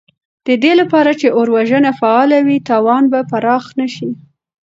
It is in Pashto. د دې لپاره چې اور وژنه فعاله وي، تاوان به پراخ نه شي.